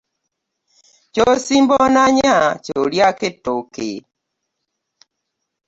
Kyosimba onanya ky'olyako etooke .